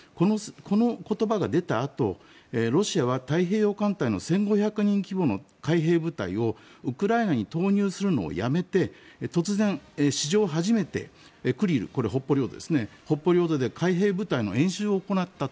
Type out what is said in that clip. この言葉が出たあとロシアは太平洋艦隊の１５００人規模の海兵部隊をウクライナに投入するのをやめて突然、史上初めて北方領土で海兵部隊の演習を行った。